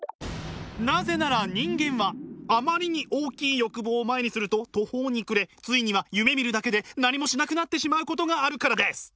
なぜなら人間はあまりに大きい欲望を前にすると途方に暮れついには夢みるだけで何もしなくなってしまうことがあるからです！